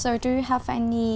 cô rất hiểu về